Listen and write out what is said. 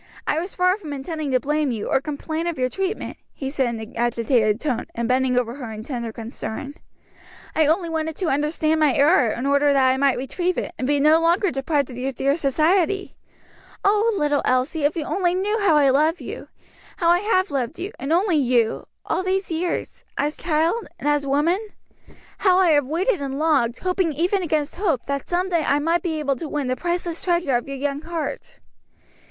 I was far from intending to blame you, or complain of your treatment," he said in an agitated tone, and bending over her in tender concern. "I only wanted to understand my error in order that I might retrieve it, and be no longer deprived of your dear society. Oh, little Elsie, if you only knew how I love you; how I have loved you, and only you, all these years as child and as woman how I have waited and longed, hoping even against hope, that some day I might be able to win the priceless treasure of your young heart."